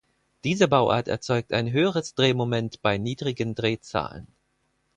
Diese Bauart erzeugt ein höheres Drehmoment bei niedrigen Drehzahlen.